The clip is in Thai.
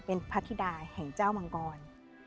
เป็นพระธิดาแห่งเจ้ามังกร